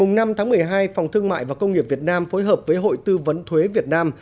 ngày năm tháng một mươi hai phòng thương mại và công nghiệp việt nam phối hợp với hội tư vấn thuế việt nam